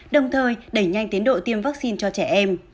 đồng thời đẩy nhanh tiến độ tiêm vaccine cho trẻ em